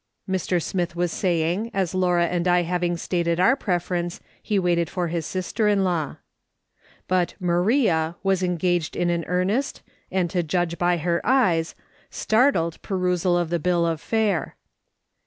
Mr. Smith was saying, as Laura and I having stated our preference, he waited for his sister in law. But " Maria" was engaged in an earnest, and to judge by her eyes, startled perusal of the bill of fare.